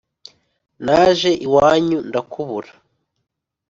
Naje iwanyu ndakubura.